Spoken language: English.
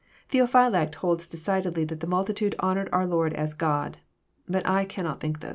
Theophylact holds decidedly that the multitude honoured ouf Lord as God. But I cannot think it.